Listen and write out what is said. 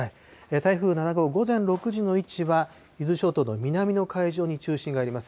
台風７号、午前６時の位置は、伊豆諸島の南の海上に中心があります。